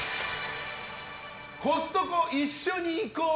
コストコ一緒に行こう！